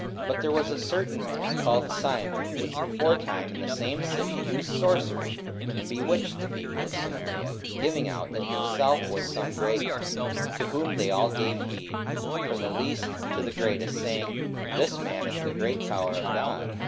44:008:009 But there was a certain man, called Simon, which beforetime in the same city used sorcery, and bewitched the people of Samaria, giving out that himself was some great one: 44:008:010 To whom they all gave heed, from the least to the greatest, saying, This man is the great power of God.